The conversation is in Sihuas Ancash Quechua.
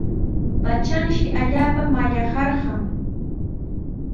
Patranshi allaapa mallaqnarqan.